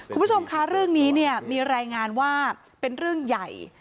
คุณผู้ชมคะเรื่องนี้เนี่ยมีรายงานว่าเป็นเรื่องใหญ่